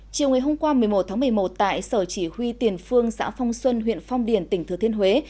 chiều ngày hôm qua một mươi một tháng một mươi một tại sở chỉ huy tiền phương xã phong xuân huyện phong điền tỉnh thừa thiên huế